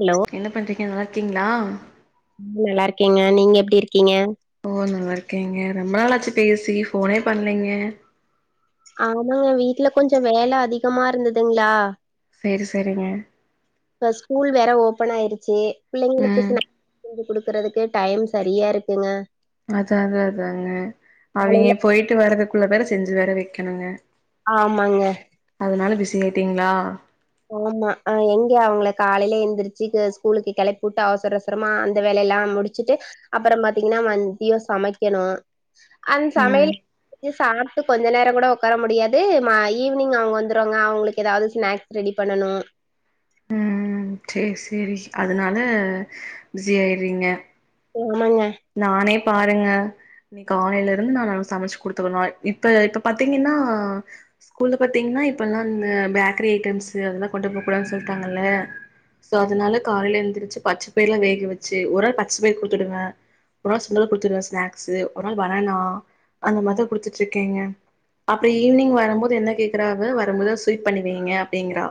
allow என்ன பண்றீங்க நல்லார்க்கீங்ளா நல்லா இருக்கேங்க நீங்க எப்டி இருக்கீங்க ஒ நல்லாருக்கேங்க ரொம்ப நாளாச்சு பேசி ஃபோனே பண்லீங்க ஆமா வீட்ல கொஞ்ச வேல அதிகமா இருந்துதுங்ளா செரி செரிங்க இப்ப ஸ்கூல் வேற ஓப்பன் ஆய்ருச்சு பிள்ளைங்ளுக்கு ம் ஸ்நேக் குடு க்றதுகே டைம் சரியாக இருக்குங்க அதா அதா அதாங்க அவய்ங்க காலைல போயிட்டு வரதுக்குள்ள வேற செஞ்சு வேற வக்கணுங்க ஆமாங்க அதனால பிசி ஆயிட்டீங்களா ஆமா எங்க அவங்களை காலையிலே எந்திரிச்சு ஸ்கூலுக்கு கிளப்பிட்டு அவசர ரமா அந்த வேலைய எல்லாம் முடிச்சுட்டு அப்றோ பாத்தீங்கன்னா மதியம் சமைக்கணும் அந் ம் சமயல் சா கொஞ்ச நேரோ கூட உக்கார முடியாது மா ஈவினிங் அவுங்க வந்துடுவாங்க அவுங்களுக்கு ஏதாவது ஸ்நாக்ஸ் ரெடி பண்ணணும் ம் சேரி சேரி அதனால பிஸி ஆகிறீங்க ஆமாங்க நானே பாருங்க இன்னைக் காலைல இருந்து நா சமைச்சு குடுத்துவிடுநாள் இப்ப இப்ப பாத்தீங்கன்னா ஸ்கூல்ல பாத்தீங்கன்னா இப்பெல்லாம் பேக்கரி ஐட்டம்ஸ் அதெல்லா கொண்டு போக கூடாதுன்னு சொல்லிட்டாங்கல்ல ஸோ அதனால கால எந்திரச்சு பச்சை பயறு வேக வச்சு ஒரு நாள் பச்சை பயிறு குடுத்துடுவே ஒரு நாள் சுண்டல் குடுத்துடுவே ஸ்னாக்ஸ் ஒரு நாள் பனானா அந்த மாரிதா குடுத்துட்டு இருக்கேங்க அப்றோ ஈவினிங் வரும்போது என்ன கேக்குறா வரும்போத ஸ்வீட் பண்ணி வைங்க அப்டிங்றா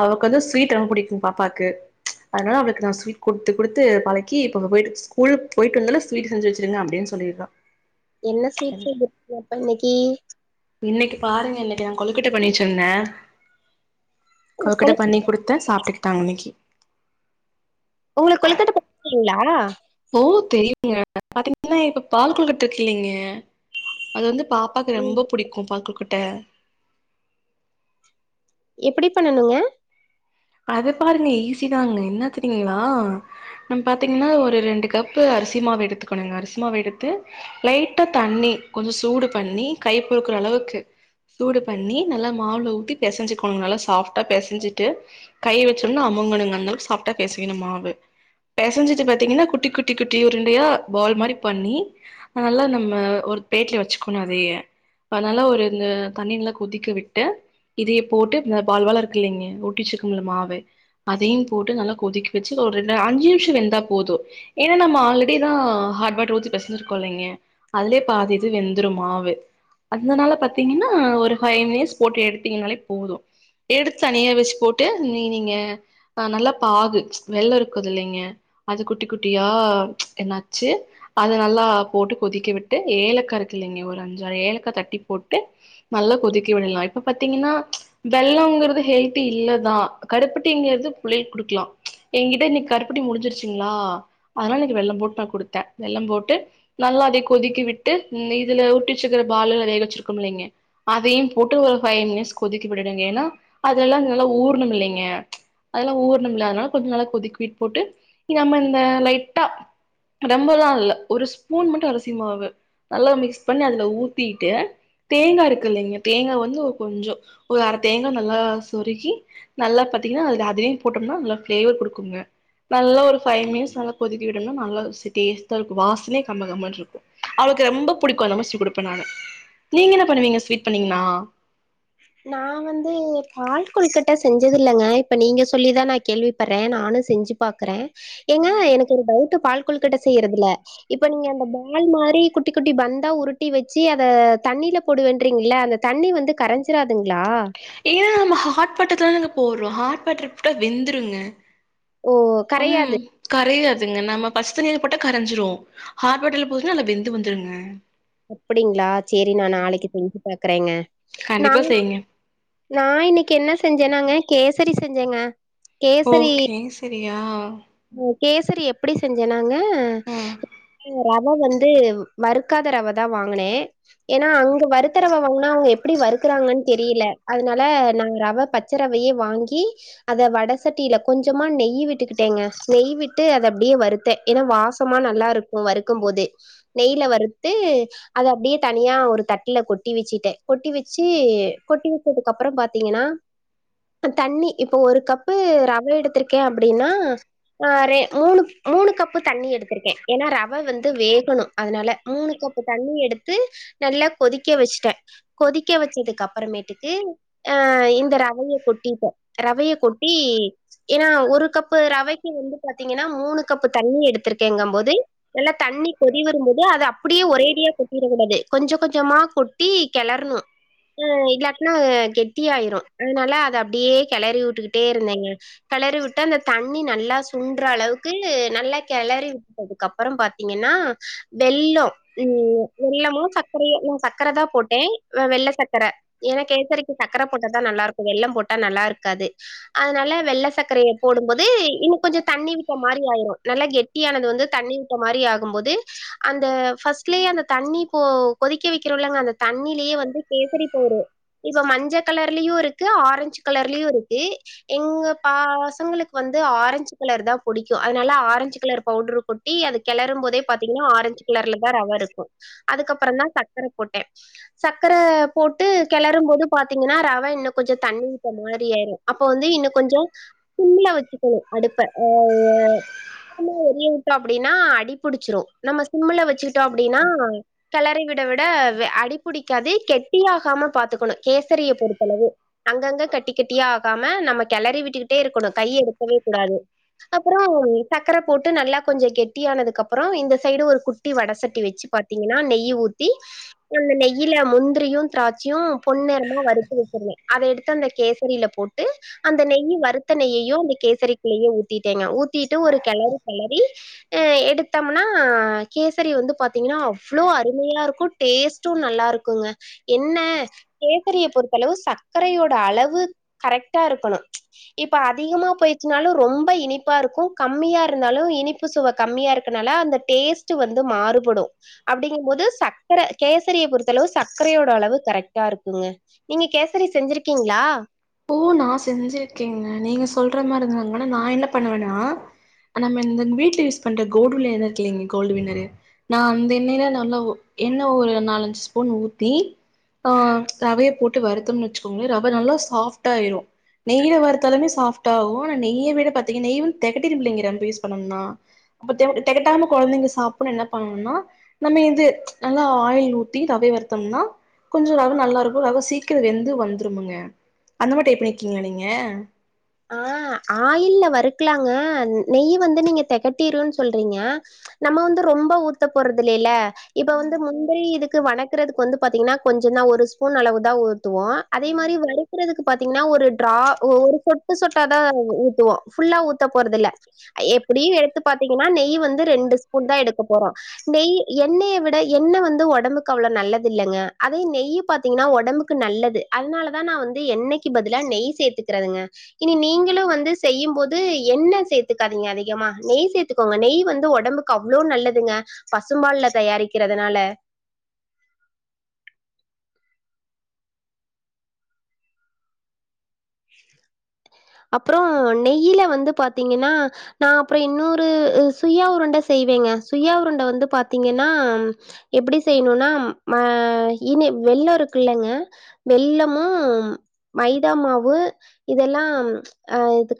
அவக்கு வந்து ஸ்வீட் ரொம்ப பிடிக்கும் பாப்பாக்கு அதனால அவளுக்கு நான் ஸ்வீட் குடுத்து குடுத்து பழக்கி இப்ப போயி ஸ்கூல் போயிட்டு வந்தோன ஸ்வீட் செஞ்சு வச்சுருங்க அப்டின்னு சொல்லி இருக்கா என்ன ஸ்வீட்ஸ் இப்ப இன்னைக்கு இன்னைக்கு பாருங்க இன்னைக்கு நா கொழுக்கட்டை பண்ணிவச்சிருந்தே கொழுக்கட்டை பண்ணி குடுத்தே சாப்ட்டுக்கிட்டாங்க இன்னைக்கு உங்களுக்கு கொழுக்கட்டை பண்ணுவீங்களா ஓ தெரியுங்க பாத்தீங்கன்னா இப்ப பால் கொழுக்கட்டை இருக்கு இல்லைங்க அது வந்து பா பாப்பாவுக்கு ம் ரொம்ப பிடிக்கு பால் கொழுக்கட்டை எப்டி பண்ணணுங்க அது பாருங்க ஈஸிதாங்க என்ன தெரியீங்களா நம்ம பாத்தீங்கன்னா ஒரு ரெண்டு கப்பு அரிசி மாவு எடுத்துக்கணுங்க அரிசி மாவு எடுத்து லைட்டா தண்ணி கொஞ்சோ சூடு பண்ணி கை பொறுக்குற அளவுக்கு சூடு பண்ணி நல்லா மாவுல ஊத்தி பிசஞ்சுக்கணுங்க நல்லா சாஃப்ட்டா பிசைஞ்சிட்டு கை வச்சணும்னா அமுங்கனுங்க அந்த அளவுக்கு சாஃப்டா பெசையனும் அந்த அளவுக்கு மாவு பெசைஞ்சிட்டு பாத்தீங்கன்னா குட்டி குட்டி குட்டி உருண்டையா பால் மாதிரி பண்ணி அதனால நம்ம ஒரு பேட்ல வச்சுக்கணு அதையே அதலா ஒரு இது தண்ணீல்ல கொதிக்க விட்டு இதையே போட்டு இந்த பால் பாலா இருக்கு இல்லலைங்க உருட்டி வச்சிருக்கம்ல மாவு அதையும் போட்டு நல்லா கொதிக்கி வச்சு ஒரு ரெண்டு அஞ்சு நிமிஷோ வெந்தா போதூ ஏன்னா நம்ம ஆல்ரெடிதான் ஹாட் வாட்டர் ஊத்தி பெசஞ்சி இருக்கோம் இல்லைங்க அதுலயே பாதி இது வெந்துரு மாவு அதனால பாத்தீங்கன்னா ஒரு ஃபைவ் மினிட்ஸ் போட்டு எடுத்தீங்கனாலே போதூ எடுத்து தனியா வச்சு போட்டு நீ நீங்க ஆ நல்லா பாகு வெள்ளம் இருக்குது இல்லைங்க அது குட்டி குட்டியா என்னாச்சு அதை நல்லா போட்டு கொதிக்க விட்டு ஏலக்கா இருக்குல்லைங்க ஒரு அஞ்ச ஆரு ஏலக்கா தட்டி போட்டு நல்லா கொதிக்க விடலாம் இப்ப பாத்தீங்கன்னா வெள்ளங்குறது ஹெல்த்தி இல்ல தா கருப்பட்டிங்கறது புள்ளைங்களுக்கு குடுக்கலாம் ஏங்கிட்ட இன்னைக்கு கருப்பட்டி முடிஞ்சிருச்சுங்ளா அதனால இனைக்கு வெள்ளம் போட்டு நான் குடுத்தே வெள்ளம் போட்டு நல்லா அதே கொதிக்கி விட்டு இதுல ஊட்டிச்சுக்கிற பாலு நெறைய வச்சிருக்கோம் இல்லைங்க அதையும் போட்டு ஒரு ஃவைய் மினிட்ஸ் கொதிக்கி விடுங்க ஏன்னா அதெல்லாம் நல்லா ஊர் ஒன்னும் இல்லைங்க அதெல்லாம் ஊறணும் இல்ல அதனால கொஞ்சோ நல்லா கொதிக்க வீட் போட்டு நம்ம இந்த லைட்டா ரொம்பதா இல்ல ஒரு ஸ்பூன் மட்டு அரிசி மாவு நல்லா மிக்ஸ் பண்ணி அதுல ஊத்திட்டு தேங்காய் இருக்கு இல்லைங்க தேங்காய் வந்து கொஞ்சோ ஒரு அரை தேங்காய் நல்லா சொருகி நல்லா பாத்தீங்கனா அது அதையு போட்டோம்னா நல்லா ப்ளேவர் கொடுக்குங்க நல்லா ஒரு ஃபைவ் மினிட்ஸ் நல்லா கொதிக்க விடனு நல்லா டேஸ்ட்டா இருக்கு வாசனையே கம கமன்ருக்கு அவளுக்கு ரெம்ப புடிக்கு [unintelligible] குடுப்பே நானு நீங்க என்ன பண்ணுவீங்க ஸ்வீட் பண்ணீங்களா நா வந்து பால் கொழுகட்ட செஞ்சதில்லங்க இப்ப நீங்க சொல்லிதா நா கேள்விப்படறே நானு செஞ்சுப் பாக்குறே ஏங்க ம் எனக்கு ஒரு டவுட்டு பால் கொழுகட்ட செய்யறதுல இப்ப நீங்க அந்த பால் மாரி குட்டி குட்டி பந்தா உருட்டி வச்சி அத தண்ணில போடுவேண்றிங்கள்ல அந்த தண்ணி வந்து கரஞ்சிராதுங்ளா ஏனா நம்ம ஹாட் வாட்டர்ல தாங்க போடுறோ ஹாட் வாட்டர் போட்டா வெந்துருங்க ஓ ம் கரையாது கரையாதுங்க நம்ம பச்ச தண்ணில போட்டா கரஞ்சிரு ஹாட் வாட்டர்ல போட்டா நல்லா வெந்து வந்துருங்க அப்டிங்களா சேரி நா நாளைக்கி செஞ்சி பாக்கறேங்க நா கண்டிப்பா செய்ங்க நா இன்னிக்கி என்ன செஞ்சன்னாங்க கேசரி செஞ்சேங்க ஓ கேசரி கேசரியா கேசரி எப்டி செஞ்சேன்னாங்க ம் ரவ வந்து வறுக்காத ரவதா வாங்கனே ஏனா அங்க வருத்த ரவ வாங்கனா அவுங்க எப்டி வருக்கறாங்கனு தெரியில அதுனால நாங்க ரவ ப ச்சரவயே வாங்கி அத வட சட்டில கொஞ்சமா நெய் விட்டுக்கிட்டேங்க நெய்விட்டு அத அப்டியே வருத்தே ஏனா வாசமா நல்லா இருக்கு வறுக்கும் போது நெய்ல வறுத்து அத அப்டியே தனியா ஒரு தட்ல கொட்டி வச்சிட்டே கொட்டி வெச்சி கொட்டி அதுக்கு அப்பறோ பாத்தீங்கனா தண்ணி இப்ப ஒரு கப்பு ரவ எடுத்திருக்கே அப்டின்னா ஆ ரே மூணு மூணு கப்பு தண்ணி எடுத்திருக்கே ஏனா ரவ வந்து வேகணு அதனால மூணு கப்பு தண்ணி எடுத்து நல்லா கொதிக்க வச்ட்டே கொதிக்க வச்சதுக்கப்பறமேட்டுக்கு அ இந்த ரவைய கொட்டிட்டே ரவைய கொட்டி ஏனா ஒரு கப்பு ரவை க்கி வந்து பாத்தீங்கனா மூணு கப்பு தண்ணி எடுத்திருக்கேங்கம்போது நல்லா தண்ணி கொதி வரும்போது அத அப்டியே ஒரே அடியா கொட்டிடக் கூடாது கொஞ்ச கொஞ்சமா கொ ட்டி கெளர்ணு இல்லாட்னா கெட்டியாயிரு அதனால அத அப்டியே கெளறி உட் டுக்கிட்டே இருந்தேங்க கெளறிவிட்டு அந்த தண்ணி நல்லா சுன்ட்ற அளவுக்கு நல்லா கெளரி விட்டதுகப்புறம் பாத்தீங்கனா வெல்லோம் வெல்லமோ சக்கரயோ நா சக்கரதா போட்டே வெள்ள சக்கர ஏனா கேசரிக்கு சக்கர போட்டாதா நல்லாருக்கு வெள்ளம் போட்டா நல்லாருக்காது அதனால வெள்ள சக்கரய போடும்போது இன் கொஞ்சோ தண்ணி விட்ட மாரி ஆயிரு நல்லா கெட்டியானது வந்து தண்ணி விட்ட மாரி ஆகும் போது அந்த ஃபஸ்ட்லயே அந்த தண்ணி போ கொதிக்க வெக்கிறோல்லங்க அந்த தண்ணிலயே வந்து கேசரி போடு இப்ப மஞ்ச கலர்லியு இருக்கு ஆரஞ்சு கலர்லியு இருக்கு எங்க பசங்களுக்கு வந்து ஆரஞ்சு கலர்தா புடிக்கு அதனால ஆரஞ்சு கலர் பவுடரு கொட்டி அத கெளரும் போதே பாத்தீங்கனா ஆரஞ்சு கலர்லதா ரவ இருக்கு அதுக்கப்புறந்தா சக்கர போட்டே சக்கர போட்டு கெளரும்போது பாத்தீங்கனா ரவ இன்னு கொஞ்ச தண்ணிவிட்ட மாரி ஆயிரு அப்போ வந்து இன்னு கொஞ்சோ சிம்ள வச்சிக்கணு அடுப்ப ஆ கும்மில் எரிய விட்டோ அப்டின்னா அடிபிடிச்சிரு நம்ம சிம்முல வச்சிக்கிட்டோ அப்டின்னா கெலரி விட விட அது அடிப் புடிக்காது கெட்டியாகாம பாத்துக்கணு கேசரிய பொறுத்தளவு அங்கங்க கட்டி கட்டியா ஆகாம நம்ம கெளறி விட்டுக்கிட்டே இருக்கணு கை எடுக்கவே கூடாது அப்புறோ சக்கர போட்டு நல்லா கொஞ்ச கெட்டியானதுக்கப்புறோ இந்த சைடு ஒரு குட்டி வடசட்டி வச்சி பத் தீங்கன்னா நெய்ய ஊத்தி ஒன்னு நெய்யில முந்திரியு திராட்சியு பொன்நெரமா வறுத்து வச்சிருவே அத எடுத்து அந்த கேசரில போட்டு அந்த நெய்யி வறுத்த நெய்யயு அந்த கேசரிகுல்லையே ஊத் திட்டேங்க ஊத்திட்டு ஒரு கெளறு கெளறி அ எடுத்தம்னா கேசரி வந்து பாத்தீங்கன்னா அவ்ளோ அருமையா இருக்கு டேஸ்ட்டு நல்லா இருக்குங்க என்ன கேசரிய பொறுத்தளவு சக்கரையோட அளவு கரெக்டா இருக்கணு இப்ப அதிகமா போயிர்ச்சுனாலு ரொம் ப இனிப்பா இருக்கு கம்மியா இருந்தாலு இனிப்பு சுவ கம்மியா இருக்கனால அந்த டேஸ்ட் வந்து மாறுபடும் அப்டிங்கும் போது சக்கர கேசரிய பொறுத்த அளவு சக்கரையோட அளவு கரெக்டா இருக்குங்க நீங்க கேசரி செஞ்சிருக்கீங்களா ஓ நா செஞ்சிருக்கேங்க நீங்க சொல்ற மாதிரிதாங் ஆன நா என்ன பண்ணுவண்ணா நம்ம இந்த வீட்டுல யூஸ் பண்ற கோல்டு வின்னர் எண்ணெ இருக்கிள்ங் கோல்டு வின்னரு நா அந்த எண்ணெயில நல்லா ஒ எண்ணெய் ஒரு நாலஞ்சு ஸ்பூன் ஊத்தி ஆ ப்ச் ரவய போட்டு வருத்தம்னு வச்சுக்கோங்களே ரவ நல்லா சாஃப்ட்டாயிரு நெய்ல வருதாலுமே சாஃப்ட ஆவு ஆன நெய்ய விட பாத்தீங்க நெய்யு தெகட்டிரும்லைங் ரம்ப யூஸ் பண்ணோம்னா அப்ப தெவ் தெகட்டாம கொழந்தைங்க சாப்படனுனா என்ன பண்ணணுனா நம்ம இது ப்ச் நல்லா ஆயில் ஊத்தி ரவய வருத்தம்னா கொஞ்ச ரவ நல்லா இருக்கு ரவ சீக்கிரோ வெந்து வந்துரும்ங்க அந்த மாரி டிரை பண்ணிற்குங்களா நீங்க ஆ ஆயில்ல வறுக்கலாங்க நெய் வந்து நீங்க தெகட்டிருன்னு சொல்றீங்க நம்ம வந்து ரொம்ப ஊத்த போறது இல்லல்ல இப்ப நீங்க வந்து முந்திரி இதுக்கு வணக்குறதுக்கு வந்து பாத்தீங்கன்னா கொஞ்சோ தா ஒரு ஸ்பூன் அளவு தா ஊத்துவோ அதே மாரி வறுக்கறதுக்கு பாத்தீங்கன்னா ஒரு டரா ஒ ஒரு சொட் சொட்டு சொட்டாதா ஊ ஊத்துவோ ஃபுல்லா ஊத்த போறது இல்ல எப்டியு எடுத்து பாத்தீங்கன்னா நெய் வந்து ரெண்டு ஸ்பூன் தா எடுக்க போறோ நெய் எண்ணெய விட எண்ணெ வந்து உடம்புக்கு அவ்ளோ நல்லது இல்லங்க அதே நெய் பாத்தீங்கன்னா உடம்பு க்கு நல்லது அதனாலதா நா வந்து எண்ணெய்க்கு பதிலா நெய் சேத்துகரதுங்க இனி நீங்களும் வந்து செய்யும்போது எண்ணெ சேத்துகாதீங்க அதிகமா நெய் சேத்துக்கோங்க நெய் வந்து உடம்புக் கு அவளோ நல்லதுங்க பசும்பால்ல தயாரிக்கிறதுனால அ அப்றோ நெய்யில வந்து பாத்தீங்கன்னா நா அப்புறோ இன்னொரு சுயா உருண்ட செய்வேங்க சுயா உருண்ட வந்து பாத்தீங்கன்னா எப்டி செய்யணுனா ஆ மா இனி வெல்லோ இருக்குள்ளங்க வெல்லமு மைதா மாவு இதெல்லா ப்ச் அ இதுக்கு